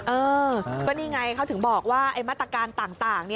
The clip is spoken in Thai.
เออก็นี่ไงเขาถึงบอกว่ามาตรการต่าง